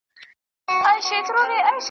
په ځنګله ننوتلی وو بېغمه .